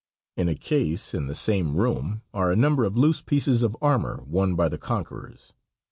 In a case in the same room are a number of loose pieces of armor worn by the conquerors.